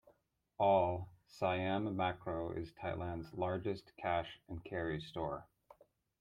All, Siam Makro is Thailand's largest cash and carry store.